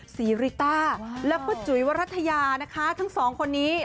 ริต้าแล้วก็จุ๋ยวรัฐยานะคะทั้งสองคนนี้